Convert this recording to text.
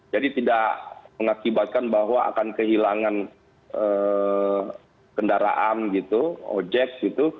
jadi tidak mengakibatkan bahwa akan kehilangan kendaraan gitu objek gitu